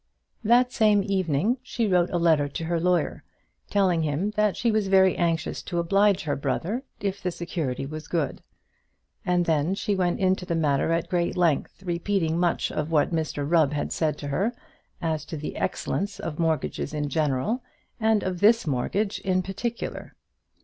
That same evening she wrote a letter to her lawyer, telling him that she was very anxious to oblige her brother, if the security was good. And then she went into the matter at length, repeating much of what Mr Rubb had said to her, as to the excellence of mortgages in general, and of this mortgage in particular.